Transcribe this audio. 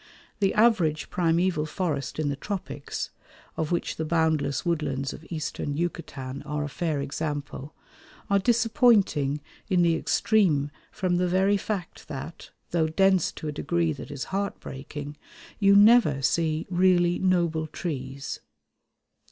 The average primeval forest in the tropics, of which the boundless woodlands of Eastern Yucatan are a fair example, are disappointing in the extreme from the very fact that, though dense to a degree that is heartbreaking, you never see really noble trees.